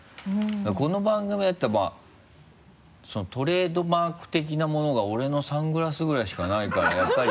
この番組だったらまぁトレードマーク的なものが俺のサングラスぐらいしかないから。